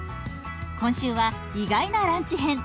今週は意外なランチ編。